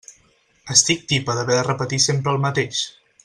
Estic tipa d'haver de repetir sempre el mateix.